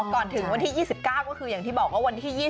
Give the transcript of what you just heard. ก่อนถึงวันที่๒๙ก็คืออย่างที่บอกว่าวันที่๒๒